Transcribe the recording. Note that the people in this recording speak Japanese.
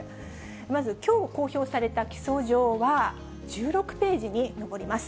まずきょう公表された起訴状は、１６ページに上ります。